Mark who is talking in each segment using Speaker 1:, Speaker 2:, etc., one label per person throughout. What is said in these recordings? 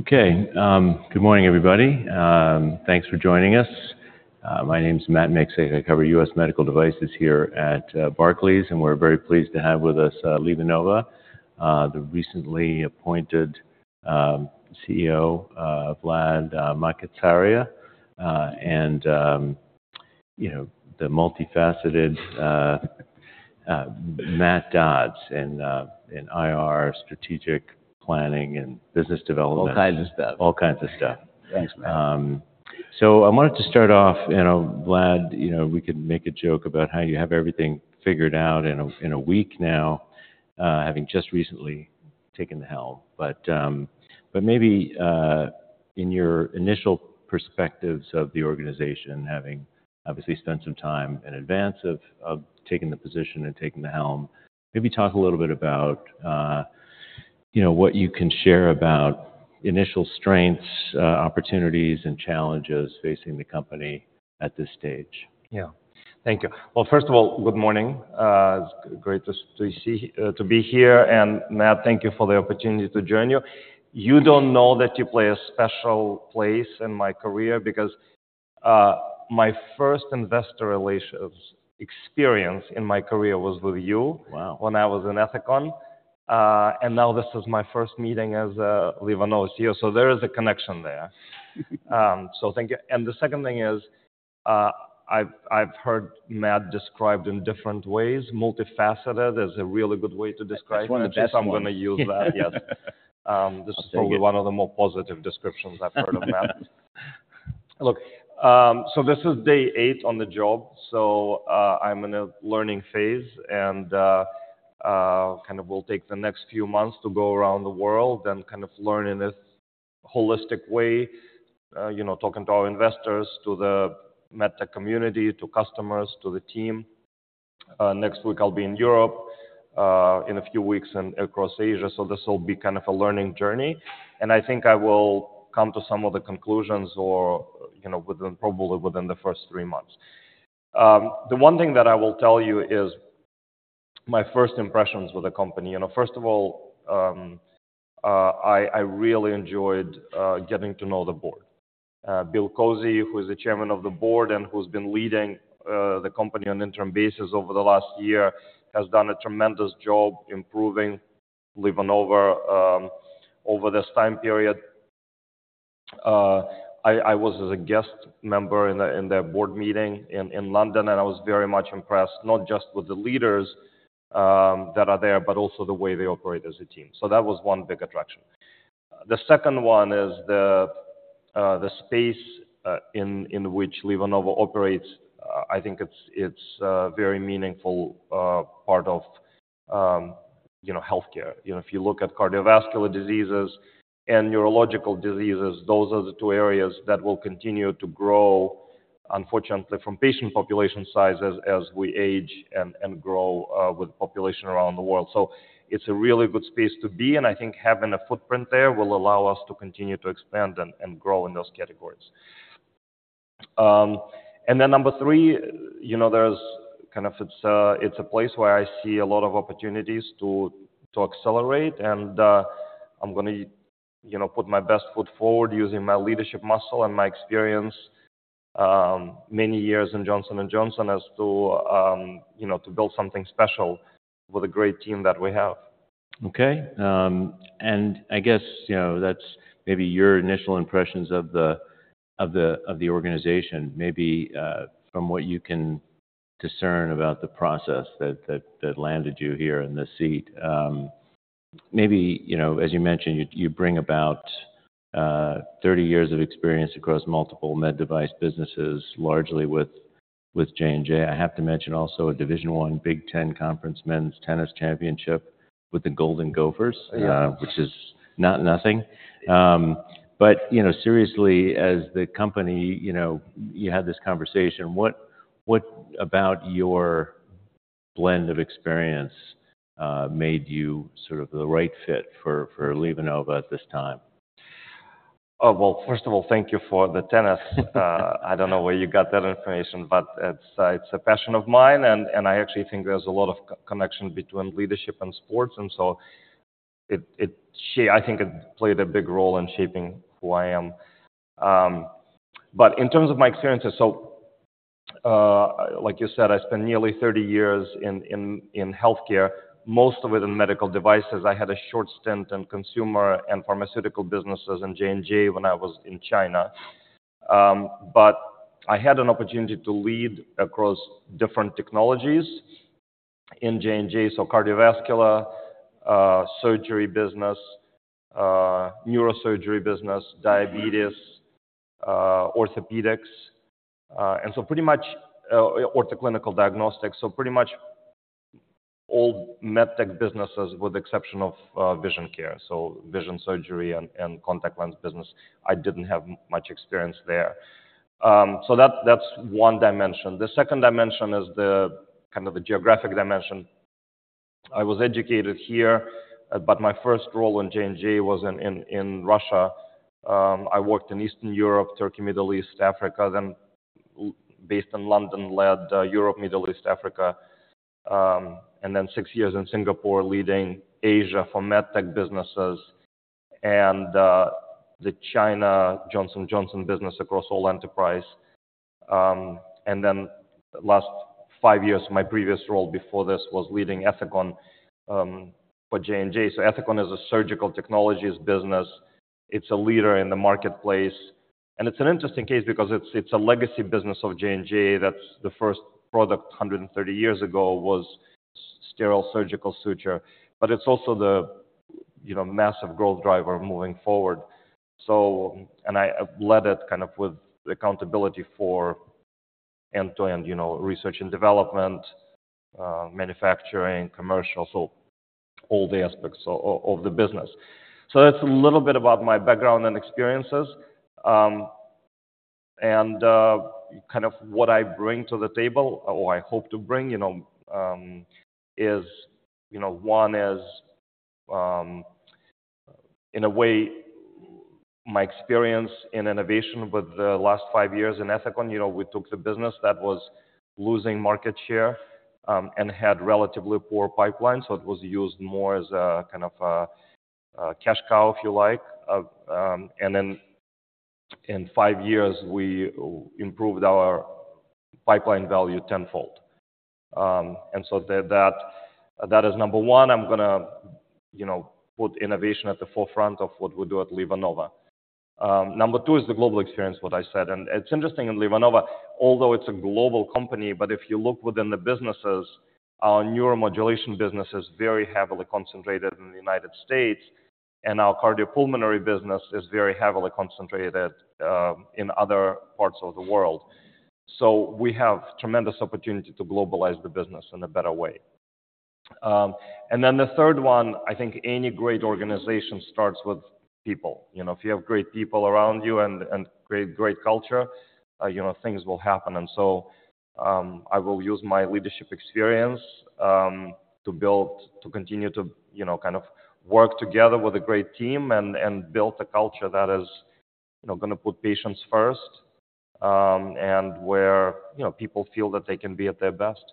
Speaker 1: Okay, good morning, everybody. Thanks for joining us. My name is Matt Miksic, I cover US medical devices here at Barclays, and we're very pleased to have with us LivaNova. The recently appointed CEO, Vladimir Makatsaria, and, you know, the multifaceted Matt Dodds, in IR, strategic planning and business development.
Speaker 2: All kinds of stuff.
Speaker 1: All kinds of stuff.
Speaker 3: Thanks, Matt.
Speaker 1: So I wanted to start off, you know, Vlad, you know, we could make a joke about how you have everything figured out in a week now, having just recently taken the helm. But, but maybe, in your initial perspectives of the organization, having obviously spent some time in advance of taking the position and taking the helm, maybe talk a little bit about, you know, what you can share about initial strengths, opportunities, and challenges facing the company at this stage.
Speaker 2: Yeah. Thank you. Well, first of all, good morning. It's great to see, to be here. And, Matt, thank you for the opportunity to join you. You don't know that you play a special place in my career because my first investor relations experience in my career was with you- When I was in Ethicon. And now this is my first meeting as LivaNova CEO, so there is a connection there. So thank you. And the second thing is, I've heard Matt described in different ways. Multifaceted is a really good way to describe you.
Speaker 1: It's one of the best ones.
Speaker 2: I'm gonna use that. Yes.
Speaker 1: I'll take it.
Speaker 2: This is probably one of the more positive descriptions I've heard of Matt. Look, so this is day eight on the job, so, I'm in a learning phase and kind of will take the next few months to go around the world, then kind of learn in a holistic way. You know, talking to our investors, to the med tech community, to customers, to the team. Next week I'll be in Europe, in a few weeks and across Asia, so this will be kind of a learning journey. And I think I will come to some of the conclusions or, you know, within, probably within the first three months. The one thing that I will tell you is my first impressions with the company. You know, first of all, I really enjoyed getting to know the board. Bill Kozy, who is the Chairman of the Board and who's been leading the company on an interim basis over the last year, has done a tremendous job improving LivaNova over this time period. I was as a guest member in their board meeting in London, and I was very much impressed, not just with the leaders that are there, but also the way they operate as a team. So that was one big attraction. The second one is the space in which LivaNova operates. I think it's very meaningful part of, you know, healthcare. You know, if you look at cardiovascular diseases and neurological diseases, those are the two areas that will continue to grow, unfortunately, from patient population sizes as we age and grow with population around the world. So it's a really good space to be, and I think having a footprint there will allow us to continue to expand and grow in those categories. And then number three, you know, there's kind of, it's a place where I see a lot of opportunities to accelerate and I'm gonna, you know, put my best foot forward using my leadership muscle and my experience many years in Johnson & Johnson to build something special with a great team that we have.
Speaker 1: Okay. And I guess, you know, that's maybe your initial impressions of the organization. Maybe, from what you can discern about the process that landed you here in this seat. Maybe, you know, as you mentioned, you bring about 30 years of experience across multiple med device businesses, largely with J&J. I have to mention also a Division I Big Ten Conference men's tennis championship with the Golden Gophers-
Speaker 2: Yeah.
Speaker 1: which is not nothing. But, you know, seriously, as the company, you know, you had this conversation, what, what about your blend of experience, made you sort of the right fit for, for LivaNova at this time?
Speaker 2: Oh, well, first of all, thank you for the tennis. I don't know where you got that information, but it's a passion of mine, and I actually think there's a lot of connection between leadership and sports, and so I think it played a big role in shaping who I am. But in terms of my experiences, so, like you said, I spent nearly 30 years in healthcare, most of it in medical devices. I had a short stint in consumer and pharmaceutical businesses in J&J when I was in China. But I had an opportunity to lead across different technologies in J&J, so cardiovascular surgery business, neurosurgery business-
Speaker 1: Mm-hmm.
Speaker 2: -diabetes, orthopedics, and so pretty much, Ortho Clinical Diagnostics. So pretty much all med tech businesses, with the exception of, vision care, so vision surgery and contact lens business, I didn't have much experience there. So that's one dimension. The second dimension is the kind of the geographic dimension. I was educated here, but my first role in J&J was in Russia. I worked in Eastern Europe, Turkey, Middle East, Africa, then based in London, led Europe, Middle East, Africa, and then six years in Singapore, leading Asia for med tech businesses and the China Johnson & Johnson business across all enterprise. And then last five years, my previous role before this was leading Ethicon for J&J. So Ethicon is a surgical technologies business. It's a leader in the marketplace, and it's an interesting case because it's a legacy business of J&J. That's the first product, 130 years ago, was sterile surgical suture, but it's also the, you know, massive growth driver moving forward. So, and I led it kind of with accountability for end-to-end, you know, research and development, manufacturing, commercial, so all the aspects of the business. So that's a little bit about my background and experiences, and kind of what I bring to the table or I hope to bring, you know, is, you know, one is, in a way my experience in innovation with the last five years in Ethicon. You know, we took the business that was losing market share and had relatively poor pipeline, so it was used more as kind of a cash cow, if you like. Then in five years, we improved our pipeline value tenfold. And so that is number one. I'm gonna, you know, put innovation at the forefront of what we do at LivaNova. Number two is the global experience, what I said. And it's interesting in LivaNova, although it's a global company, but if you look within the businesses, our neuromodulation business is very heavily concentrated in the United States, and our cardiopulmonary business is very heavily concentrated in other parts of the world. So we have tremendous opportunity to globalize the business in a better way. And then the third one, I think any great organization starts with people. You know, if you have great people around you and, and great, great culture, you know, things will happen. And so, I will use my leadership experience, to build, to continue to, you know, kind of work together with a great team and, and build a culture that is, you know, gonna put patients first, and where, you know, people feel that they can be at their best.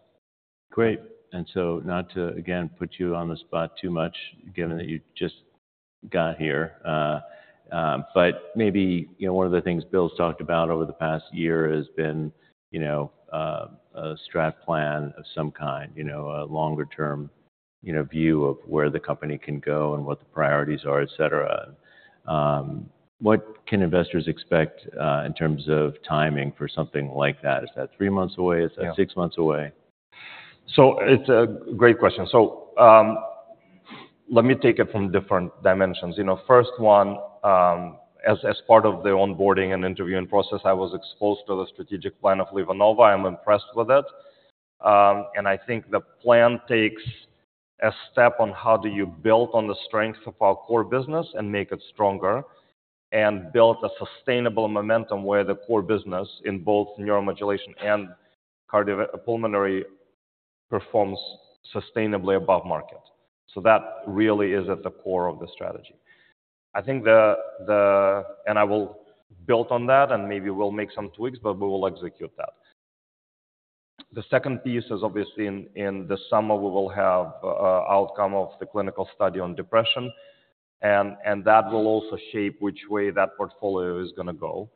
Speaker 1: Great. And so not to, again, put you on the spot too much, given that you just got here. But maybe, you know, one of the things Bill's talked about over the past year has been, you know, a strat plan of some kind, you know, a longer term, you know, view of where the company can go and what the priorities are, et cetera. What can investors expect in terms of timing for something like that? Is that three months away?
Speaker 2: Yeah.
Speaker 1: Is that six months away?
Speaker 2: So it's a great question. So, let me take it from different dimensions. You know, first one, as part of the onboarding and interviewing process, I was exposed to the strategic plan of LivaNova. I'm impressed with it, and I think the plan takes a step on how do you build on the strength of our core business and make it stronger, and build a sustainable momentum where the core business, in both neuromodulation and cardiopulmonary, performs sustainably above market. So that really is at the core of the strategy. I think the... And I will build on that, and maybe we'll make some tweaks, but we will execute that. The second piece is obviously in the summer, we will have outcome of the clinical study on depression, and that will also shape which way that portfolio is gonna go.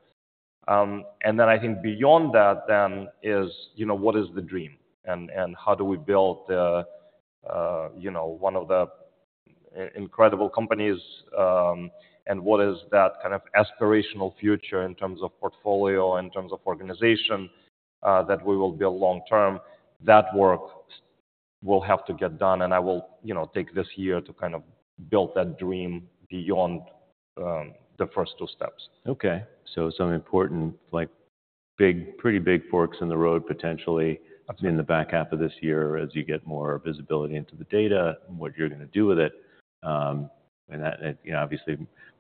Speaker 2: And then I think beyond that then is, you know, what is the dream? And how do we build, you know, one of the incredible companies, and what is that kind of aspirational future in terms of portfolio, in terms of organization, that we will build long term? That work will have to get done, and I will, you know, take this year to kind of build that dream beyond, the first two steps.
Speaker 1: Okay. Some important, like, big, pretty big forks in the road, potentially-
Speaker 2: Absolutely.
Speaker 1: -in the back half of this year as you get more visibility into the data and what you're gonna do with it. And that, it, you know, obviously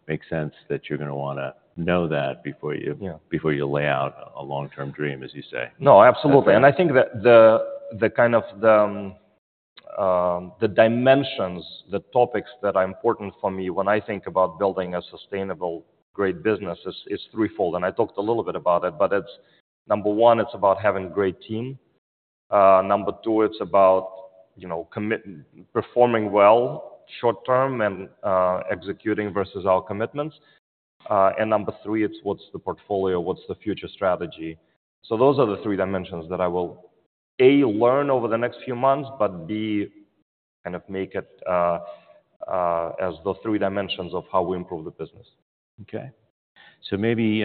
Speaker 1: makes sense that you're gonna wanna know that before you-
Speaker 2: Yeah...
Speaker 1: before you lay out a long-term dream, as you say.
Speaker 2: No, absolutely.
Speaker 1: Okay.
Speaker 2: I think that the dimensions, the topics that are important for me when I think about building a sustainable, great business is threefold, and I talked a little bit about it. But it's number one, it's about having great team. Number two, it's about, you know, performing well short term and executing versus our commitments. And number three, it's what's the portfolio? What's the future strategy? So those are the three dimensions that I will A, learn over the next few months, but B, kind of make it as the three dimensions of how we improve the business.
Speaker 1: Okay. So maybe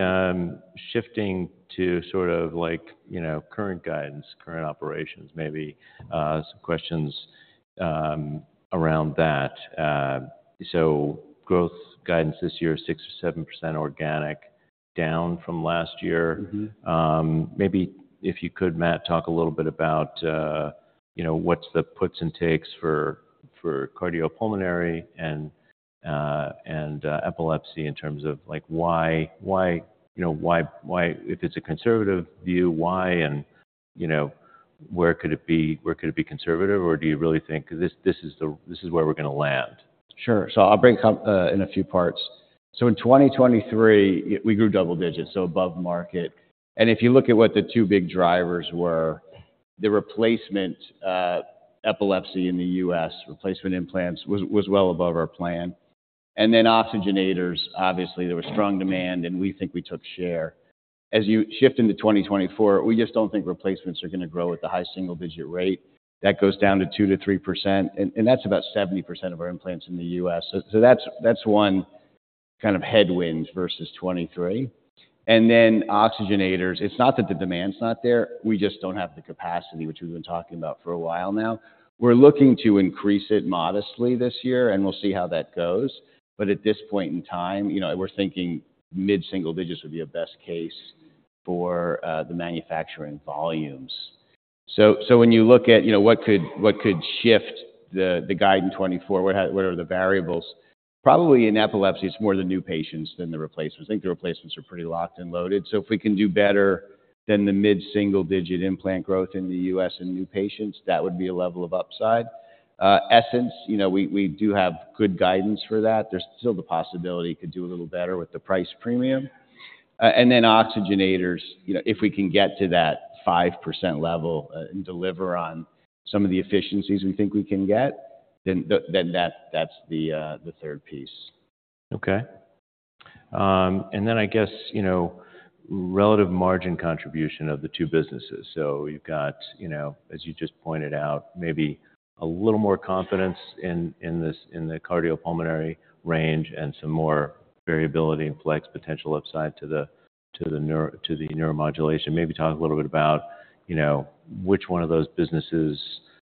Speaker 1: shifting to sort of like, you know, current guidance, current operations, maybe some questions around that. So growth guidance this year is 6%-7% organic, down from last year.
Speaker 2: Mm-hmm.
Speaker 1: Maybe if you could, Matt, talk a little bit about, you know, what's the puts and takes for cardiopulmonary and epilepsy in terms of like why, you know, why... If it's a conservative view, why and, you know, where could it be—where could it be conservative, or do you really think this is the—this is where we're gonna land? Sure. So I'll break up in a few parts. So in 2023, we grew double digits, so above market. And if you look at what the two big drivers were, the replacement epilepsy in the U.S., replacement implants, was well above our plan. And then oxygenators, obviously, there was strong demand, and we think we took share. As you shift into 2024, we just don't think replacements are gonna grow at the high single-digit rate. That goes down to 2%-3%, and that's about 70% of our implants in the U.S. So that's one kind of headwinds versus 2023. And then oxygenators, it's not that the demand's not there, we just don't have the capacity, which we've been talking about for a while now. We're looking to increase it modestly this year, and we'll see how that goes, but at this point in time, you know, we're thinking mid-single digits would be a best case for the manufacturing volumes. So when you look at, you know, what could shift the guide in 2024, what are the variables? Probably in epilepsy, it's more the new patients than the replacements. I think the replacements are pretty locked and loaded. So if we can do better than the mid-single-digit implant growth in the U.S. and new patients, that would be a level of upside. Essenz, you know, we do have good guidance for that. There's still the possibility it could do a little better with the price premium. and then oxygenators, you know, if we can get to that 5% level, and deliver on some of the efficiencies we think we can get, then that, that's the third piece. Okay. And then I guess, you know, relative margin contribution of the two businesses. So you've got, you know, as you just pointed out, maybe a little more confidence in the cardiopulmonary range and some more variability and flex potential upside to the neuromodulation. Maybe talk a little bit about, you know, which one of those businesses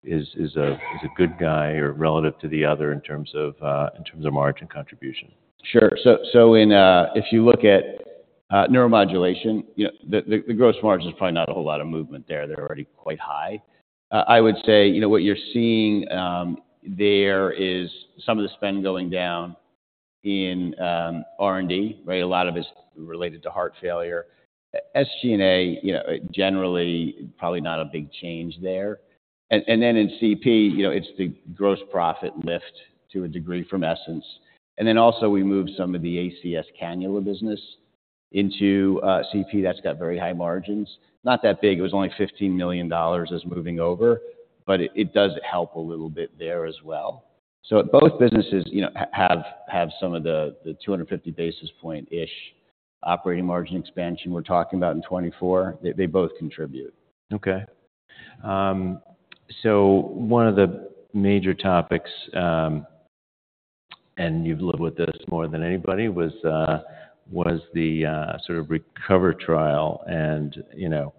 Speaker 1: is a good guy or relative to the other in terms of margin contribution.
Speaker 3: Sure. So in, if you look at neuromodulation, you know, the gross margin is probably not a whole lot of movement there. They're already quite high. I would say, you know, what you're seeing there is some of the spend going down in R&D, right? A lot of it's related to heart failure. SG&A, you know, generally, probably not a big change there. And then in CP, you know, it's the gross profit lift to a degree from Essenz. And then also, we moved some of the ACS cannula business into CP, that's got very high margins. Not that big, it was only $15 million moving over, but it does help a little bit there as well. So both businesses, you know, have some of the 250 basis point-ish operating margin expansion we're talking about in 2024. They both contribute.
Speaker 1: Okay. So one of the major topics, and you've lived with this more than anybody, was the sort of RECOVERY trial and, you know,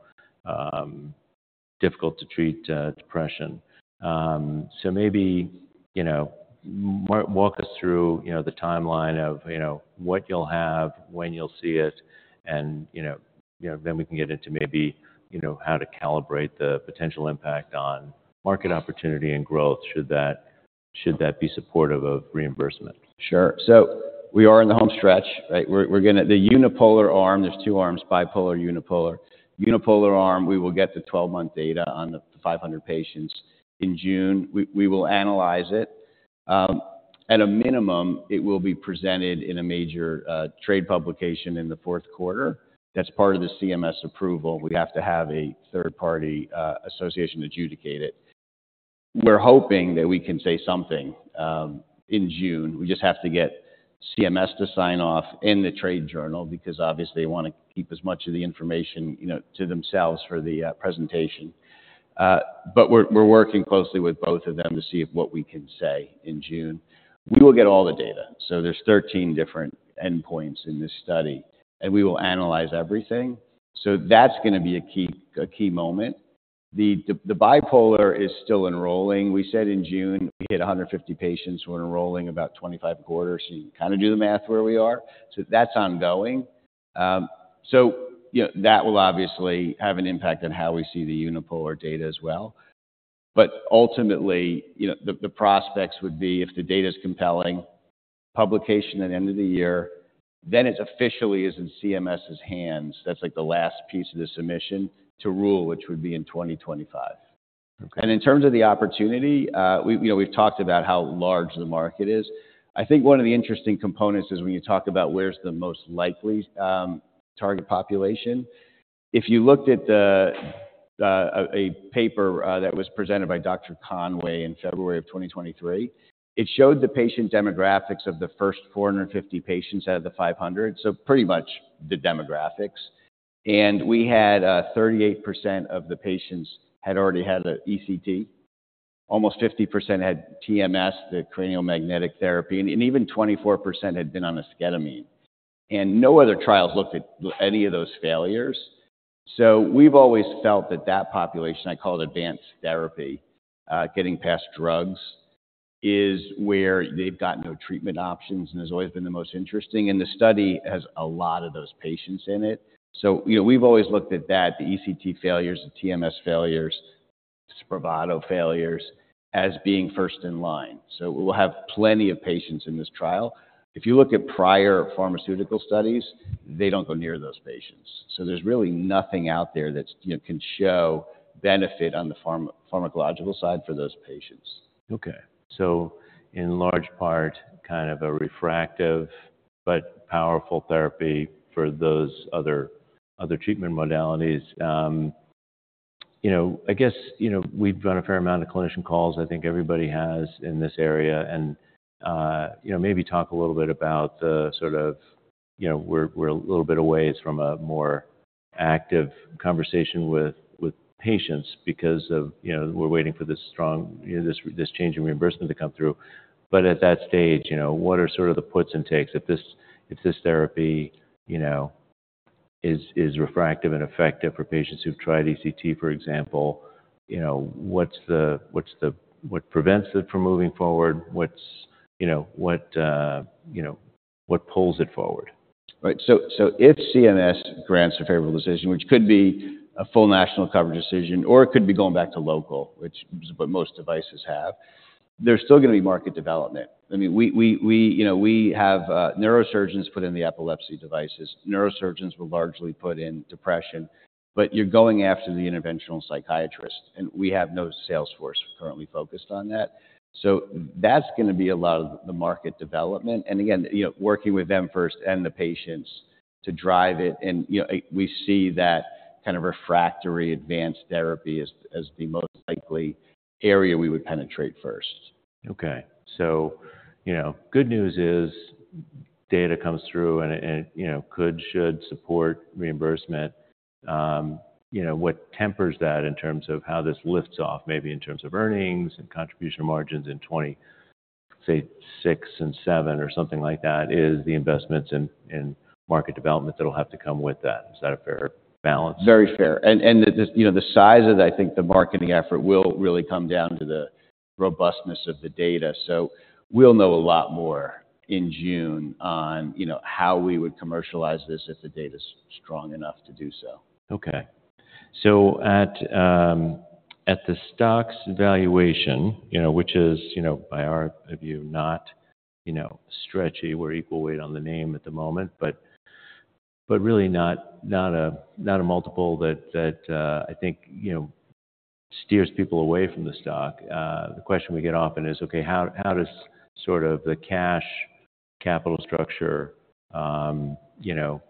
Speaker 1: difficult to treat depression. So maybe, you know, walk us through, you know, the timeline of, you know, what you'll have, when you'll see it, and, you know, then we can get into maybe, you know, how to calibrate the potential impact on market opportunity and growth, should that be supportive of reimbursement?
Speaker 3: Sure. So we are in the home stretch, right? We're gonna. The unipolar arm, there's 2 arms, bipolar, unipolar. Unipolar arm, we will get the 12-month data on the 500 patients in June. We will analyze it. At a minimum, it will be presented in a major trade publication in the fourth quarter. That's part of the CMS approval. We have to have a third-party association adjudicate it. We're hoping that we can say something in June. We just have to get CMS to sign off in the trade journal because obviously, they want to keep as much of the information, you know, to themselves for the presentation. But we're working closely with both of them to see what we can say in June. We will get all the data, so there's 13 different endpoints in this study, and we will analyze everything. So that's gonna be a key moment. The bipolar is still enrolling. We said in June, we hit 150 patients. We're enrolling about 25 a quarter, so you can kinda do the math where we are. So that's ongoing. You know, that will obviously have an impact on how we see the unipolar data as well. But ultimately, you know, the prospects would be if the data is compelling, publication at end of the year, then it officially is in CMS's hands. That's like the last piece of the submission to rule, which would be in 2025.
Speaker 1: Okay.
Speaker 3: In terms of the opportunity, we, you know, we've talked about how large the market is. I think one of the interesting components is when you talk about where's the most likely target population. If you looked at a paper that was presented by Dr. Conway in February 2023, it showed the patient demographics of the first 450 patients out of the 500, so pretty much the demographics. And we had 38% of the patients had already had an ECT. Almost 50% had TMS, the cranial magnetic therapy, and even 24% had been on esketamine. And no other trials looked at any of those failures. So we've always felt that that population, I call it advanced therapy, getting past drugs, is where they've got no treatment options and has always been the most interesting, and the study has a lot of those patients in it. So, you know, we've always looked at that, the ECT failures, the TMS failures, Spravato failures, as being first in line. So we'll have plenty of patients in this trial. If you look at prior pharmaceutical studies, they don't go near those patients. So there's really nothing out there that's, you know, can show benefit on the pharmacological side for those patients.
Speaker 1: Okay. So in large part, kind of a refractory but powerful therapy for those other, other treatment modalities. You know, I guess, you know, we've done a fair amount of clinician calls. I think everybody has in this area, and, you know, maybe talk a little bit about the sort of, you know, we're, we're a little bit of ways from a more active conversation with, with patients because of, you know, we're waiting for this strong, you know, this, this change in reimbursement to come through. But at that stage, you know, what are sort of the puts and takes if this, if this therapy, you know, is, is refractory and effective for patients who've tried ECT, for example, you know, what's the, what's the- what prevents it from moving forward? What's, you know, what, you know, what pulls it forward?
Speaker 3: Right. So if CMS grants a favorable decision, which could be a full national coverage decision, or it could be going back to local, which is what most devices have, there's still gonna be market development. I mean, we you know, we have neurosurgeons put in the epilepsy devices. Neurosurgeons will largely put in depression, but you're going after the interventional psychiatrist, and we have no sales force currently focused on that. So that's gonna be a lot of the market development, and again, you know, working with them first and the patients to drive it. And you know, we see that kind of refractory advanced therapy as the most likely area we would penetrate first.
Speaker 1: Okay. So, you know, good news is data comes through and, you know, could, should support reimbursement. You know, what tempers that in terms of how this lifts off, maybe in terms of earnings and contribution margins in 2026 and 2027 or something like that, is the investments in market development that'll have to come with that. Is that a fair balance?
Speaker 3: Very fair. And, you know, the size of that, I think the marketing effort will really come down to the robustness of the data. So we'll know a lot more in June on, you know, how we would commercialize this if the data's strong enough to do so.
Speaker 1: Okay. So at the stock's valuation, you know, which is, you know, by our view, not, you know, stretchy. We're equal weight on the name at the moment, but really not a multiple that I think, you know, steers people away from the stock. The question we get often is, okay, how does sort of the cash capital structure, you know,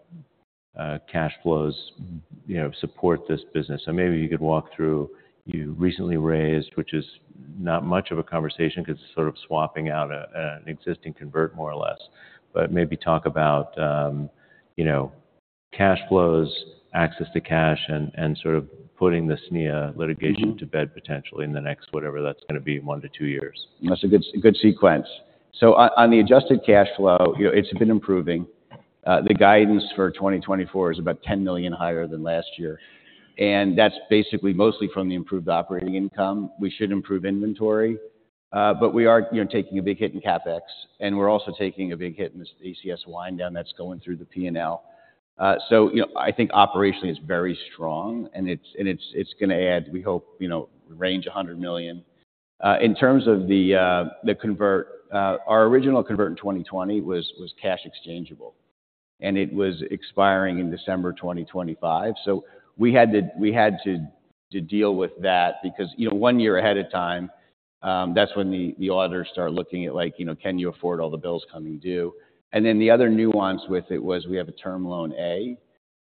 Speaker 1: cash flows, you know, support this business? So maybe you could walk through... You recently raised, which is not much of a conversation because it's sort of swapping out an existing convert more or less, but maybe talk about, you know, cash flows, access to cash, and sort of putting the SNIA litigation to bed potentially in the next, whatever that's gonna be, 1-2 years.
Speaker 3: That's a good, good sequence. So on the adjusted cash flow, you know, it's been improving. The guidance for 2024 is about $10 million higher than last year, and that's basically mostly from the improved operating income. We should improve inventory, but we are, you know, taking a big hit in CapEx, and we're also taking a big hit in the ACS wind down that's going through the P&L. So, you know, I think operationally it's very strong, and it's gonna add, we hope, you know, range $100 million. In terms of the convert, our original convert in 2020 was cash exchangeable, and it was expiring in December 2025. So we had to, we had to, to deal with that because, you know, one year ahead of time, that's when the, the auditors start looking at like, you know, "Can you afford all the bills coming due?" And then the other nuance with it was we have a Term loan A,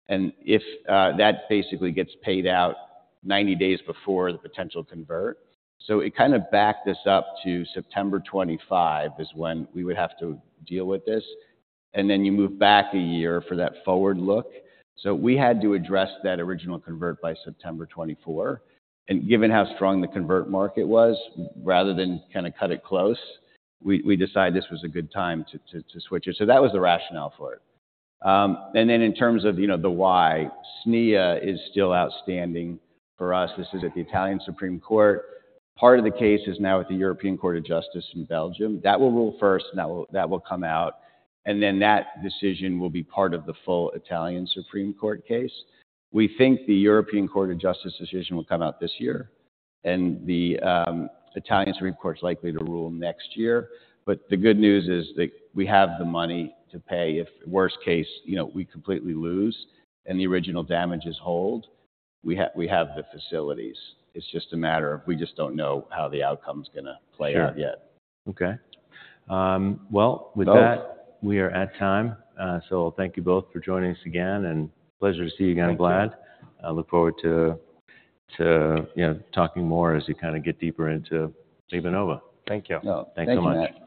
Speaker 3: and if, that basically gets paid out 90 days before the potential convert. So it kinda backed us up to September 25, is when we would have to deal with this, and then you move back a year for that forward look. So we had to address that original convert by September 2024, and given how strong the convert market was, rather than kinda cut it close, we, we decided this was a good time to, to, to switch it. So that was the rationale for it. And then in terms of, you know, the why, SNIA is still outstanding for us. This is at the Italian Supreme Court. Part of the case is now with the European Court of Justice in Belgium. That will rule first, and that will come out, and then that decision will be part of the full Italian Supreme Court case. We think the European Court of Justice decision will come out this year, and the Italian Supreme Court is likely to rule next year. But the good news is that we have the money to pay if, worst case, you know, we completely lose and the original damages hold, we have, we have the facilities. It's just a matter of we just don't know how the outcome's gonna play out yet.
Speaker 1: Sure. Okay. Well, with that-
Speaker 3: Both.
Speaker 1: We are at time. So thank you both for joining us again, and pleasure to see you again, Vlad.
Speaker 3: Thank you.
Speaker 1: I look forward to, you know, talking more as we kinda get deeper into de Novo.
Speaker 3: Thank you.
Speaker 1: Yeah. Thanks so much.